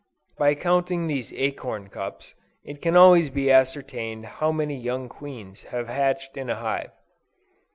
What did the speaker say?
By counting these acorn cups, it can always be ascertained how many young queens have hatched in a hive.